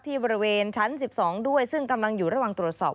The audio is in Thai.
บริเวณชั้น๑๒ด้วยซึ่งกำลังอยู่ระหว่างตรวจสอบ